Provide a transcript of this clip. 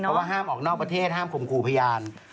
เพราะว่าห้ามออกนอกประเทศห้ามข่มขู่พยาน